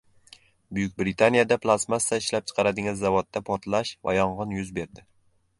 Buyuk Britaniyada plastmassa ishlab chiqaradigan zavodda portlash va yong‘in yuz berdi